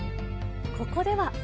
ここでは。